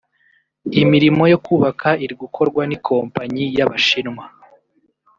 imirimo yo kuyubaka iri gukorwa n’ikompanyi y’Abashinwa